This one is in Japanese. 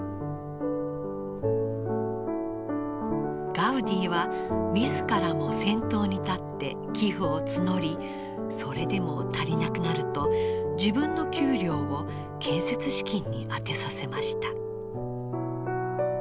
ガウディは自らも先頭に立って寄付を募りそれでも足りなくなると自分の給料を建設資金に充てさせました。